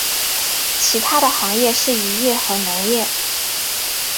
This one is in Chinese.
其它的行业是渔业和农业。